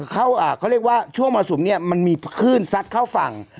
เขาเรียกว่าช่วงมรสุมเนี่ยมันมีคลื่นซัดเข้าฝั่ง